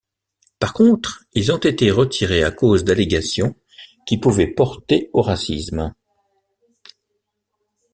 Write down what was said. Par contre, ils ont été retirés à cause d'allégations qui pouvaient porter au racisme.